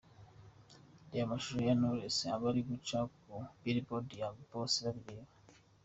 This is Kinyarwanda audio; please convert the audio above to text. Reba amashusho ya Knowless aba ari guca kuri Billboard ya ’Bose Babireba’.